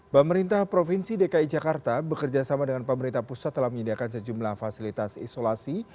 pemerintah provinsi dki jakarta bekerjasama dengan pemerintah pusat telah menyediakan sejumlah fasilitas isolasi